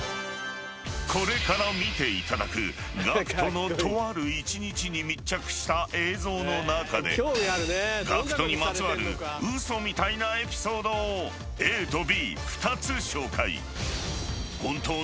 ［これから見ていただくＧＡＣＫＴのとある１日に密着した映像の中でＧＡＣＫＴにまつわる嘘みたいなエピソードをＡとＢ２つ紹介］